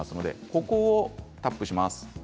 ここをタップします。